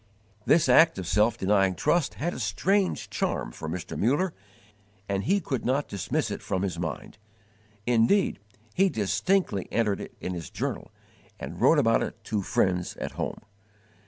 _ This act of self denying trust had a strange charm for Mr. Muller, and he could not dismiss it from his mind; indeed, he distinctly entered it in his journal and wrote about it to friends at home.